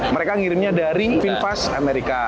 mereka ngirimnya dari finfast amerika